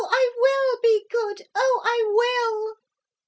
I will be good. Oh, I will!'